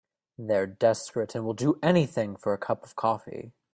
They're desperate and will do anything for a cup of coffee.